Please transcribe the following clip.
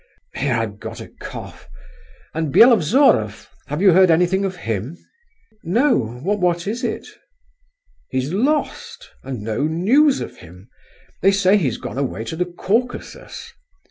Here, I've got a cough … and Byelovzorov—have you heard anything of him?" "No. What is it?" "He's lost, and no news of him; they say he's gone away to the Caucasus.